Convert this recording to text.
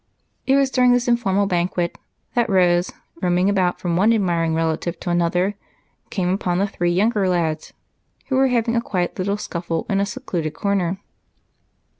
It was during this informal banquet that Rose, roaming about from one admiring relative to another, came upon the three younger lads, who were having a quiet little scuffle in a secluded corner.